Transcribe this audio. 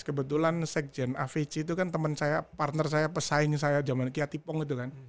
kebetulan sekjen avc itu kan teman saya partner saya pesaing saya zaman kiatipong itu kan